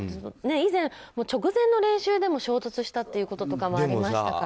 以前、直前の練習でも衝突したこともありましたから。